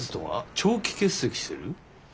長期欠席してる？